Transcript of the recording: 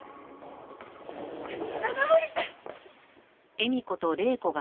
花森さん！